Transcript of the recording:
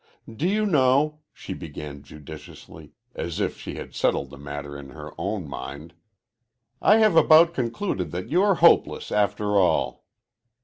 "Do you know," she began judicially, as if she had settled the matter in her own mind, "I have about concluded that you are hopeless, after all."